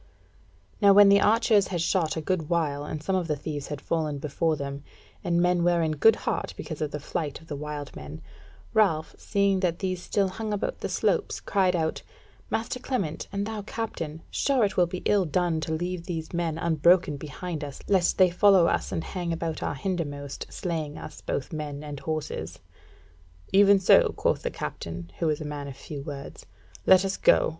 Now when the archers had shot a good while, and some of the thieves had fallen before them, and men were in good heart because of the flight of the wild men, Ralph, seeing that these still hung about the slopes, cried out: "Master Clement, and thou Captain, sure it will be ill done to leave these men unbroken behind us, lest they follow us and hang about our hindermost, slaying us both men and horses." "Even so," quoth the captain, who was a man of few words, "let us go.